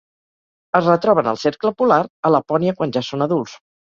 Es retroben al cercle polar, a Lapònia quan ja són adults.